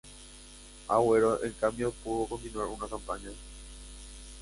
Agüero, en cambio, pudo continuar en campaña.